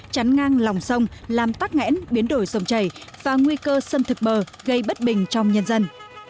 chắn ngang lòng sông làm tắt ngẽn biến đổi sông chảy và nguy cơ sâm thực bờ gây bất bình trong nhân dân